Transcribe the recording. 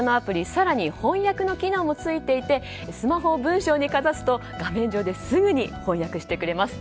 更に、翻訳の機能も付いていてスマホを文章にかざすと画面上で、すぐに翻訳してくれます。